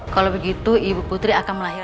kalau begitu ibu putri akan melahir